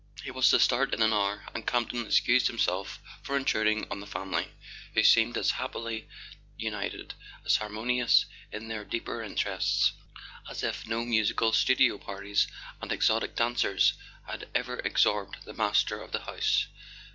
He was to start in an hour, and Campton excused himself for intruding on the family, who seemed as happily united, as harmonious in their deeper interests, as if no musical studio parties and exotic dancers had ever absorbed the master of the house.